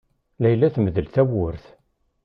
Layla temdel tawwurt.